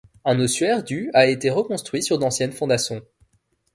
Un ossuaire du a été reconstruit sur d'anciennes fondations.